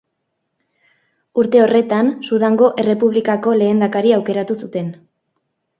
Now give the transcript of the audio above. Urte horretan, Sudango Errepublikako lehendakari aukeratu zuten.